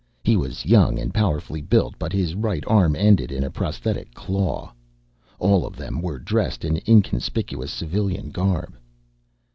He was young and powerfully built, but his right arm ended in a prosthetic claw. All of them were dressed in inconspicuous civilian garb.